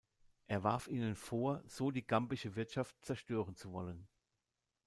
Er warf ihnen vor, so die gambische Wirtschaft zerstören zu wollen.